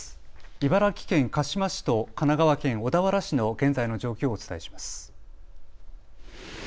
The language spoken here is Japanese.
茨城県鹿嶋市と神奈川県小田原市の現在の状況をお伝えします。